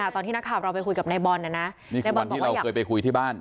ตอนที่นักภาพเราไปคุยกับนายบอลนี่คือวันที่เราเคยไปคุยที่บ้าน